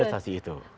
lebih dari tujuh belas